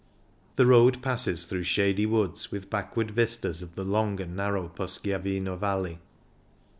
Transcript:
The road passes through shady woods, with backward vistas of the long and narrow Poschiavino Valley.